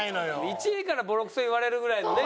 １位からボロクソ言われるぐらいのね。